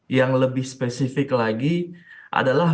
yang lebih spesifik lagi adalah